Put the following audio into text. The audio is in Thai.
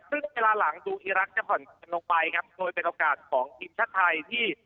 ซึ่งเวลาหลังดูอีรักษ์จะผ่อนกันลงไปครับโดยเป็นโอกาสของทีมชาติไทยที่